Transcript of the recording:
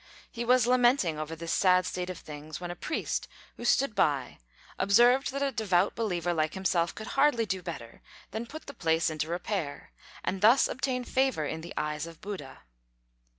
He was lamenting over this sad state of things, when a priest who stood by observed that a devout believer like himself could hardly do better than put the place into repair, and thus obtain favour in the eyes of Buddha.